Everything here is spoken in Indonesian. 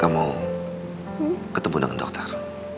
kamu ketemu dengan dokter